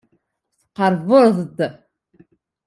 Tqerrbeḍ-d.